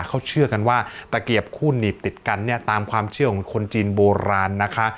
เขาเชื่อกันว่าตะเกียบคู่หนีบติดกันเนี่ยตามความเชื่อของคนจีนโบราณนะคะ